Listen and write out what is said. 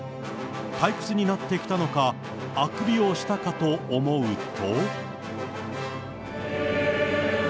退屈になってきたのか、あくびをしたかと思うと。